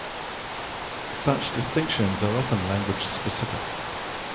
Such distinctions are often language-specific.